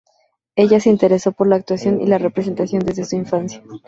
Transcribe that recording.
Ella se interesó por la actuación y la representación desde su infancia.